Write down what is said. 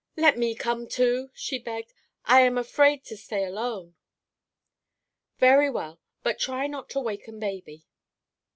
"Let me come, too," she begged. "I am afraid to stay alone." "Very well; but try not to waken baby."